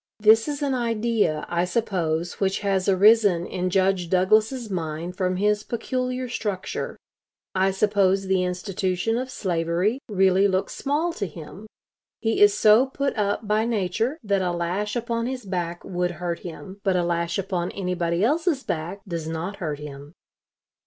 This is an idea, I suppose, which has arisen in Judge Douglas's mind from his peculiar structure. I suppose the institution of slavery really looks small to him. He is so put up by nature that a lash upon his back would hurt him, but a lash upon anybody else's back does not hurt him....